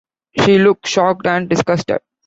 She looks shocked and disgusted.